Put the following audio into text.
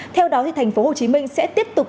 theo đó tp hcm sẽ tiếp tục